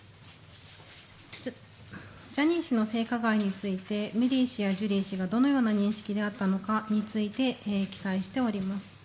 ジャニー氏の性加害についてメリー氏やジュリー氏がどのような認識であったか記載しております。